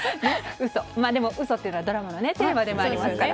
でも、嘘っていうのはドラマのテーマでもありますから。